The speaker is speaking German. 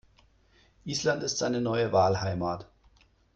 Island ist seine neue Wahlheimat.